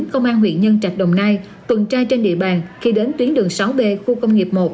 công an huyện nhân trạch đồng nai tuần tra trên địa bàn khi đến tuyến đường sáu b khu công nghiệp một